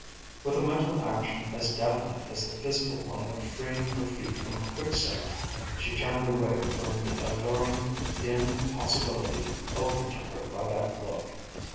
With a mental action as definite as the physical one of freeing her feet from a quicksand she turned away from the alluring, dim possibility opened to her by that look.